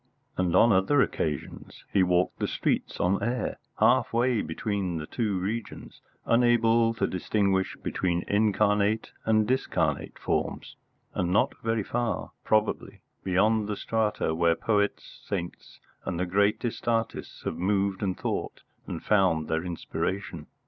And on other occasions he walked the streets on air, half way between the two regions, unable to distinguish between incarnate and discarnate forms, and not very far, probably, beyond the strata where poets, saints, and the greatest artists have moved and thought and found their inspiration.